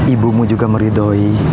ibumu juga meridohi